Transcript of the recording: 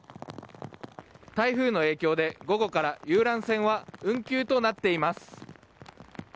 台風の影響で、午後から遊覧船は運休となっています。